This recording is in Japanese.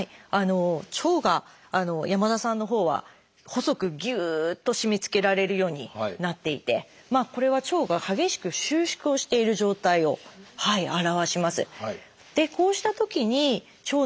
腸が山田さんのほうは細くぎゅっと締めつけられるようになっていてこれは腸が激しく収縮をしている状態を表します。